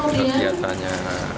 terus kalau dia tanya